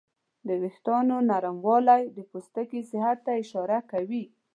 د وېښتیانو نرموالی د پوستکي صحت ته اشاره کوي.